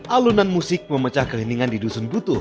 alunan musik memecah keliningan di dusun butuh